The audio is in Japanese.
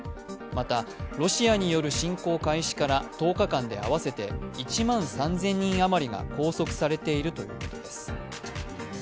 また、ロシアによる侵攻開始から１０日間で合わせて１万３０００人余りが拘束されているということです。